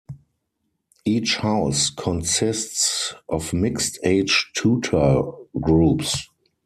Each house consists of mixed age tutor groups.